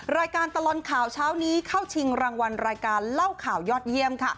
รายการตลอดข่าวเช้านี้เข้าชิงรางวัลรายการเล่าข่าวยอดเยี่ยมค่ะ